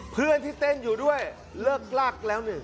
เพื่อนที่เต้นอยู่ด้วยเลิกลักแล้วนี่